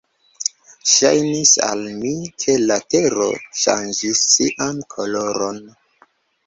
Ŝajnis al mi, ke la tero ŝanĝis sian koloron.